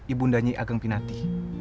ibu ndanyi ageng pinati